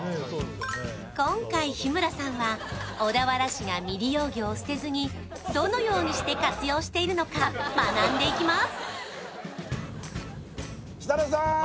今回、日村さんは小田原市が未利用魚を捨てずにどのようにして活用しているのか、学んでいきます。